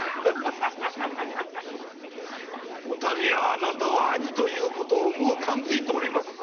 おたみはあなたが兄であるともう感づいておりますぞ。